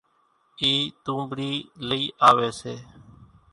اِي تونٻڙِي لئِي آويَ سي۔